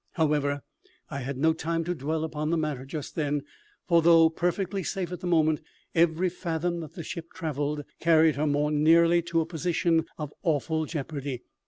However, I had no time to dwell upon the matter just then, for, though perfectly safe at the moment, every fathom that the ship travelled carried her more nearly to a position of awful jeopardy.